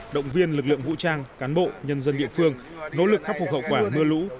động viên lực lượng vũ trang cán bộ nhân dân địa phương nỗ lực khắc phục hậu quả mưa lũ